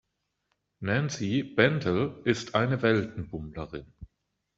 Nancy Bentele ist eine Weltenbummlerin.